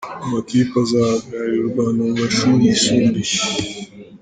Amakipe azahagararira u Rwanda mu mashuri yisumbuye.